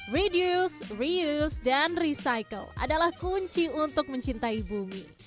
reduce reuse dan recycle adalah kunci untuk mencintai bumi